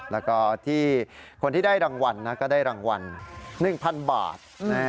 แล้วก็ที่คนที่ได้รางวัลนะก็ได้รางวัล๑๐๐๐บาท